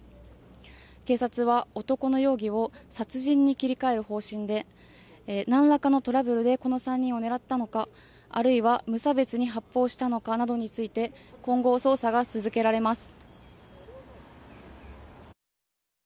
警察は、男の容疑を殺人に切り替える方針で、なんらかのトラブルでこの３人を狙ったのか、あるいは無差別に発砲したのかなどについて、今後、捜査が続けられます。